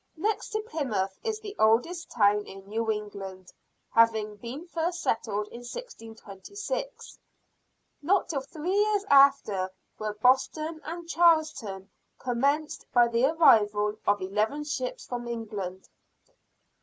Next to Plymouth it is the oldest town in New England, having been first settled in 1626. Not till three years after were Boston and Charlestown commenced by the arrival of eleven ships from England.